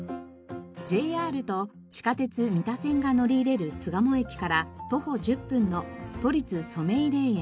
ＪＲと地下鉄三田線が乗り入れる巣鴨駅から徒歩１０分の都立染井霊園。